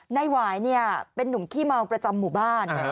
นายหวายเป็นนุ่มขี้เมาประจำหมู่บ้าน